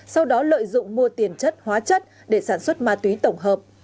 sau đó lợi dụng mua tiền chất hóa chất để sản xuất ma túy tổng hợp